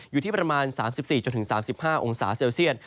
อยู่ที่ประมาณ๓๔๓๕องศาเซลเซียต